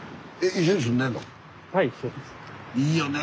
いいよねえ